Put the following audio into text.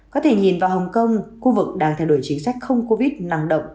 có thể nhìn vào hồng kông khu vực đang thay đổi chính sách không covid nặng động